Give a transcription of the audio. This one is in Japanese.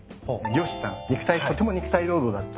漁師さんとても肉体労働だった。